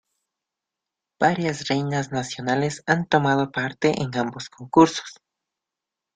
Varias reinas nacionales han tomado parte en ambos concursos.